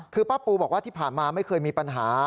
คือป้าปูบอกว่าที่ผ่านมาไม่เคยมีปัญหา